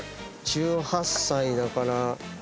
１８歳だから。